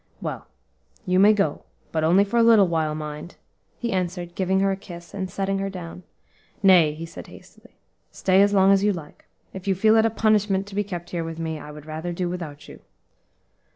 "Well, you may go; but only for a little while, mind," he answered, giving her a kiss, and setting her down. "Nay," he added hastily, "stay as long as you like; if you feel it a punishment to be kept here with me, I would rather do without you."